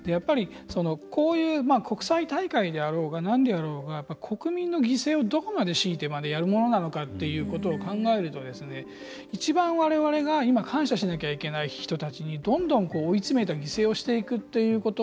こういう国際大会であろうがなんであろうが国民の犠牲をどこまで強いてまでやるものなのかっていうことを考えると、一番われわれが今感謝しなきゃいけない人たちにどんどん追い詰めた犠牲を強いていくということ。